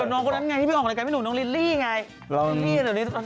กับน้องก็นั่นไงที่ไปออกกับกันไม่รู้น้องลิลลี่ไง